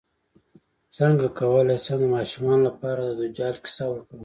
څنګه کولی شم د ماشومانو لپاره د دجال کیسه وکړم